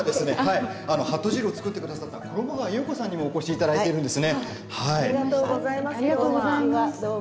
はっと汁を作ってくださった衣川祐子さんにもお越しいただいています。